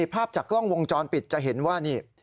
ภาพจากกล้องวงจรปิดจะเห็นว่านี่